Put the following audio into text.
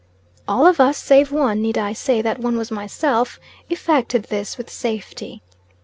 All of us save one, need I say that one was myself? effected this with safety.